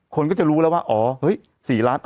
คนก็จะรู้แล้วว่า๔ล้าน